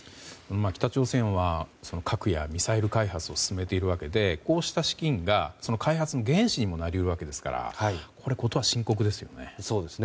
北朝鮮は、核やミサイル開発を進めているわけでこうした資金が開発の原資にもなり得るわけですから事は深刻ですよね。